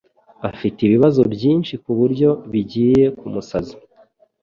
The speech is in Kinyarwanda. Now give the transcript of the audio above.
Afite ibibazo byinshi kuburyo bijyiye kumusaza